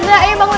saur saur ya